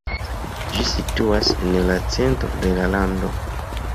Ĝi situas en la centro de la lando.